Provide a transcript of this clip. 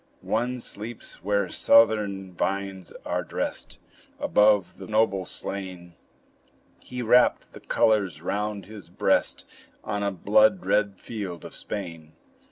One sleeps where southern vines are dressed Above the noble slain; He wrapped the colors round his breast On a blood red field of Spain.